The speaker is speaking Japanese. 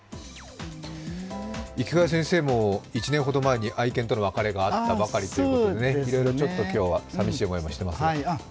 池谷先生も１年ほど前に愛犬との別れがあったばかりということで、いろいろ今日は寂しい思いをしてますね。